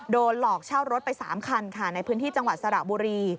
โดนหลอกเช่ารถไป๓คันค่ะในพื้นที่จังหวัดสระบุรี